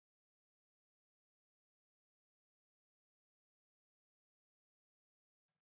seorang yang terdiri tak bisa berguna